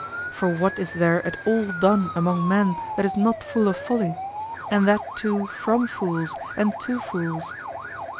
For what is there at all done among men that is not full of folly, and that too from fools and to fools?